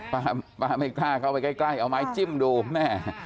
ป้าไม่กล้าเข้าไปใกล้เอาไม้จิ้มดูแม่